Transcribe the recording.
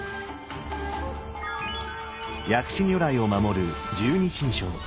薬師如来を守る十二神将。